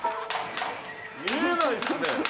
見えないですね。